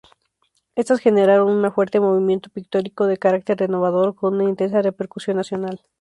Estas generaron un fuerte movimiento pictórico de carácter renovador con una intensa repercusión nacional.